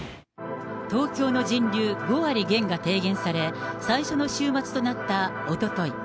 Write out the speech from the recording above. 東京の人流５割減が提言され、最初の週末となったおととい。